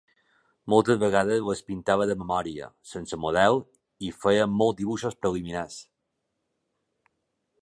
Moltes vegades les pintava de memòria, sense model, i feia molts dibuixos preliminars.